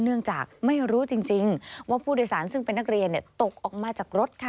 เนื่องจากไม่รู้จริงว่าผู้โดยสารซึ่งเป็นนักเรียนตกออกมาจากรถค่ะ